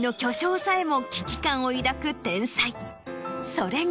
それが。